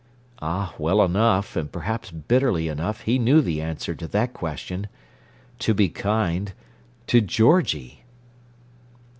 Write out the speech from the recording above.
Ah, well enough, and perhaps bitterly enough, he knew the answer to that question! "To be kind"—to Georgie!